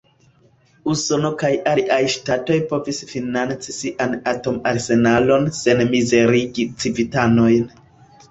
Usono kaj aliaj ŝtatoj povis financi sian atom-arsenalon sen mizerigi civitanojn.